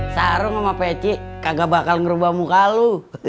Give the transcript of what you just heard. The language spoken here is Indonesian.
sarung sama peci kagak bakal ngerubah muka lu